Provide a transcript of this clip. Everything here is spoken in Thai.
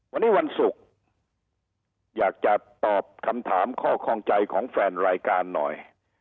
วันนี้วันศุกร์อยากจะตอบคำถามข้อข้องใจของแฟนรายการหน่อย